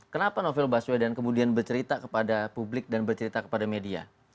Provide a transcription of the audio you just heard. kenapa novel baswedan kemudian bercerita kepada publik dan bercerita kepada media